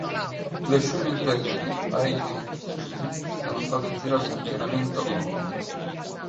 Le scene interne di "I Hate Suzie" sono state girate interamente a Londra.